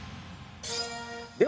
では